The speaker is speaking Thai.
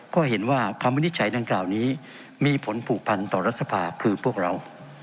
ก็เห็นว่าคำวินิจฉัยดังกล่าวนี้มีผลผูกพันต่อรัฐสภาคือพวกเรา